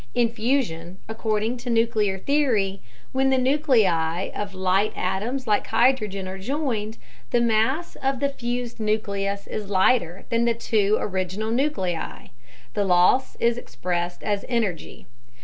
In fusion, according to nuclear theory, when the nuclei of light atoms like hydrogen are joined, the mass of the fused nucleus is lighter than the two original nuclei; the loss is expressed as energy.